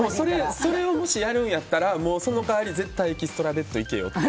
それをもしやるんだったらその代わり絶対エキストラベッドに行けよって。